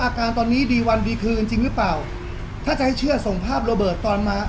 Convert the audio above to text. อาการตอนนี้ดีวันดีคืนจริงหรือเปล่าถ้าจะให้เชื่อส่งภาพระเบิดตอนมา